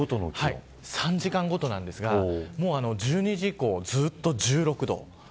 ３時間ごとなんですが１２時以降ずっと１６度。